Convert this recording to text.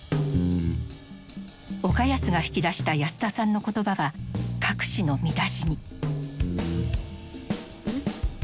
岡安が引き出した安田さんの言葉は各紙の見出しに。